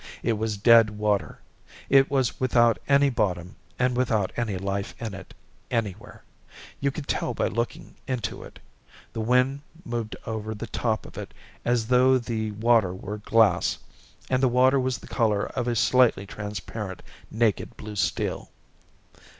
It was dead water. It was without any bottom, and without any life in it anywhere. You could tell by looking into it. The wind moved over the top of it as though the water were glass, and the water was the color of a slightly transparent naked blue steel.